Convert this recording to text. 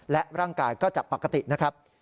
และร่างกายก็จะปกตินะครับ